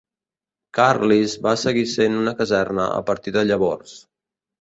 Carlisle va seguir sent una caserna a partir de llavors.